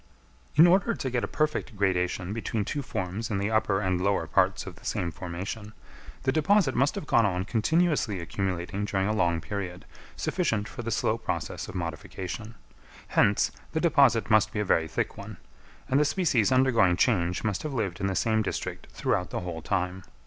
In order to get a perfect gradation between two forms in the upper and lower parts of the same formation, the deposit must have gone on continuously accumulating during a long period, sufficient for the slow process of modification; hence, the deposit must be a very thick one; and the species undergoing change must have lived in the same district throughout the whole time.